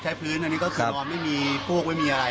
พื้นอันนี้ก็คือนอนไม่มีพวกไม่มีอะไร